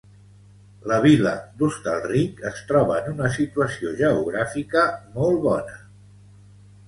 La vila d’Hostalric es troba en una situació geogràfica molt bona.